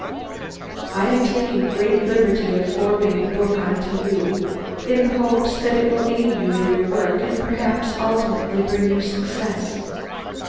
_ _I am taking the liberty of forwarding the book on to you, in the hopes that it will aid you in your work and perhaps ultimately bring you success.